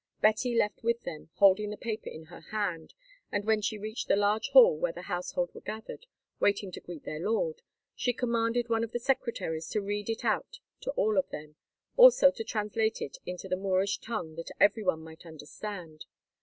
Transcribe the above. Betty left with them, holding the paper in her hand, and when she reached the large hall where the household were gathered waiting to greet their lord, she commanded one of the secretaries to read it out to all of them, also to translate it into the Moorish tongue that every one might understand.